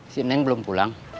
si neng belum pulang